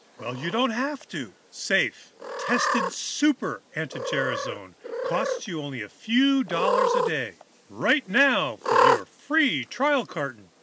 Well, you don't have to. Safe, tested Super anti gerasone costs you only a few dollars a day. "Write now for your free trial carton.